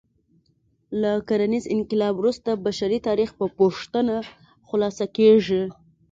له کرنیز انقلاب وروسته بشري تاریخ په پوښتنه خلاصه کېږي.